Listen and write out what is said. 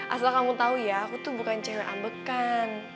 asal kamu tahu ya aku tuh bukan cewek ambekan